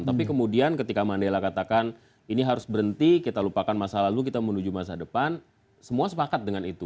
tapi kemudian ketika mandela katakan ini harus berhenti kita lupakan masa lalu kita menuju masa depan semua sepakat dengan itu